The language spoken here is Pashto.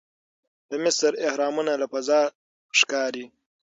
د مصر اهرامونه له فضا ښکاري.